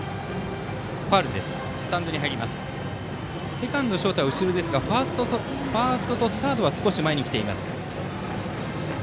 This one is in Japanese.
セカンド、ショートは後ろですがファーストとサードは少し前に来ています。